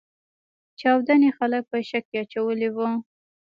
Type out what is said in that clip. چاودنې خلګ په شک کې اچولي وو.